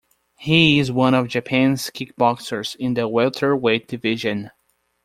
He is one of Japan's kickboxers in the welterweight division.